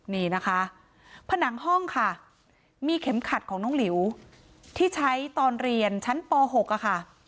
นี่นะคะผนังห้องค่ะมีเข็มขัดของน้องหลิวที่ใช้ตอนเรียนชั้นป๖ค่ะ